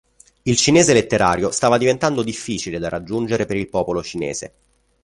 Il cinese letterario stava diventando difficile da raggiungere per il popolo cinese.